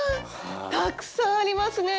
たくさんありますね！